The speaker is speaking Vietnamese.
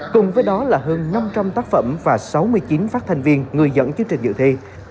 cùng với đó là hơn năm trăm linh tác phẩm và sáu mươi chín phát thành viên người dẫn chương trình dự thi